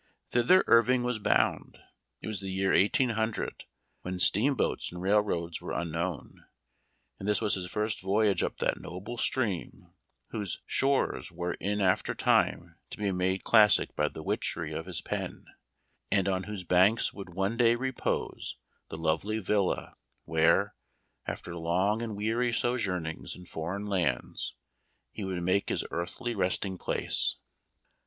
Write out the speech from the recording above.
Thither Irving was bound. It was the year 1 800, when steam boats and railroads were unknown ; and this was his first voyage up that noble stream whose shores were in after time to be made classic by the witchery of his pen, and on whose banks would one day repose the lovely villa where, after long and weary sojournings in foreign lands, he would make his earthly resting place.